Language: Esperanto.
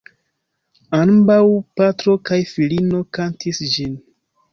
Ambaŭ, patro kaj filino kantis ĝin.